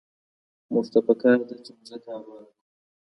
موږ ته په کار ده چي مځکه آباده کړو.